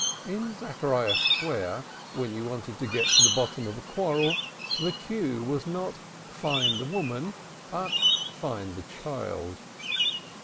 In Zachariah Square, when you wanted to get to the bottom of a quarrel, the cue was not "find the woman," but find the child.